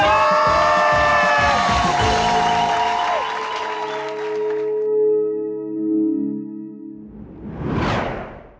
โปรดติดตามตอนต่อไป